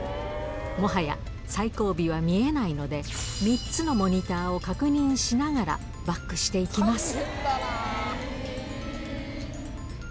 もはや最後尾は見えないので、３つのモニターを確認しながらバックしていきます。